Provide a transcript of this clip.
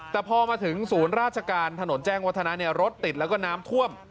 แต่พอมาถึงศูนย์ราชการถนนแจ้งวัฒนะรถติดแล้วก็น้ำท่วม